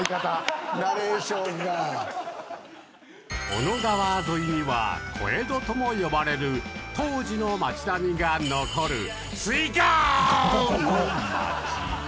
小野川沿いには小江戸とも呼ばれる当時の町並みが残る、水郷ー！